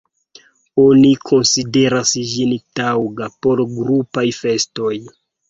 Oni konsideras ĝin taŭga por grupaj festoj.